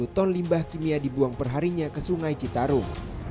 dua puluh ton limbah kimia dibuang perharinya ke sungai citarum